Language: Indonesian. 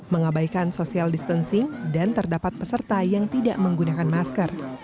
mengabaikan social distancing dan terdapat peserta yang tidak menggunakan masker